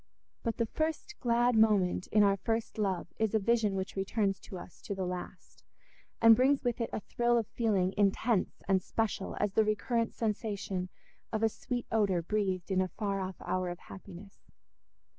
But the first glad moment in our first love is a vision which returns to us to the last, and brings with it a thrill of feeling intense and special as the recurrent sensation of a sweet odour breathed in a far off hour of happiness.